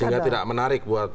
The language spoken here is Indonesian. sehingga tidak menarik buat